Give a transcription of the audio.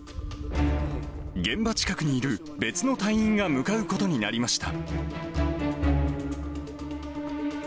現場近くにいる別の隊員が向かうことになりました。